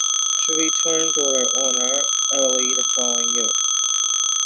She returned to her owner early the following year.